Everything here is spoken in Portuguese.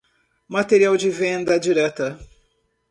Material de venda direta